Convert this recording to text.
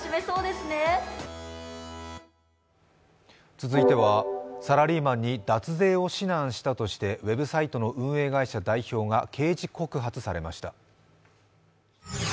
続いてはサラリーマンに脱税を指南したとしてウェブサイトの運営会社代表が刑事告発されました。